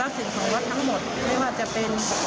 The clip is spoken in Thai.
สิ่งของวัดทั้งหมดไม่ว่าจะเป็น